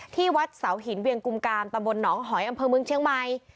ที่วัดเสาหินเวียงกุมกามตำบลหนองหอยอำเภอเมืองเชียงใหม่